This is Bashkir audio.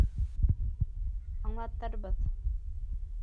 Аңлатырбыҙ.